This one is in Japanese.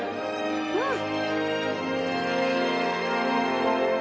うん！